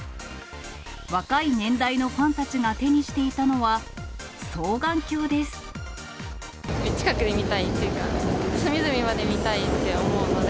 若い年代のファンたちが手に近くで見たいっていうか、隅々まで見たいって思うので。